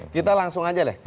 kita langsung aja deh